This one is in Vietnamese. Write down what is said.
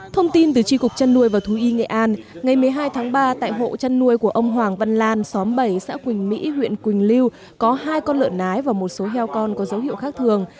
thông tin từ tri cục chăn nuôi và thú y nghệ an ngày một mươi hai tháng ba tại hộ chăn nuôi của ông hoàng văn lan xóm bảy xã quỳnh mỹ huyện quỳnh lưu có hai con lợn nái và một số heo con có dấu hiệu khác thường